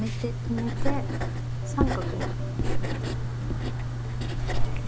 止めて三角に。